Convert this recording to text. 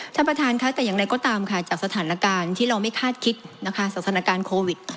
ท่านประธานค่ะแต่อย่างไรก็ตามค่ะจากสถานการณ์ที่เราไม่คาดคิดนะคะสถานการณ์โควิด